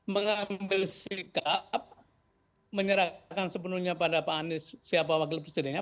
mengambil sikap menyerahkan sepenuhnya pada pak anies siapa wakil presidennya